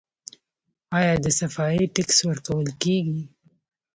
آیا د صفايي ټکس ورکول کیږي؟